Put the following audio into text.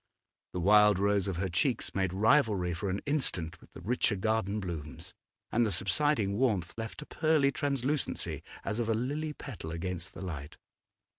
The wild rose of her cheeks made rivalry for an instant with the richer garden blooms, and the subsiding warmth left a pearly translucency as of a lily petal against the light.